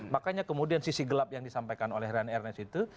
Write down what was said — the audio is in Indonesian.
makanya kemudian sisi gelap yang disampaikan oleh rian ernest itu